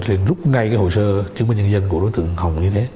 nên rút ngay hồ sơ chứng minh nhân dân của đối tượng hồng như thế